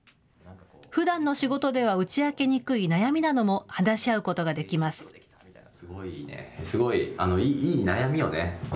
ふだんの仕事では打ち明けにくい悩みなども話し合うことができます。